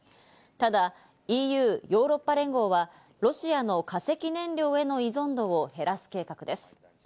ただＥＵ＝ヨーロッパ連合はロシアの化石燃料への依存度を減らす計画です。